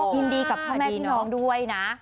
ยินดีกับพ่อแม่พี่น้องด้วยนะ